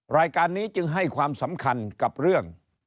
รายการนี้จึงให้ความสำคัญกับเรื่อง